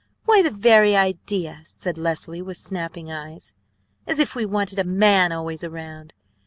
"Why, the very idea!" said Leslie with snapping eyes. "As if we wanted a man always around!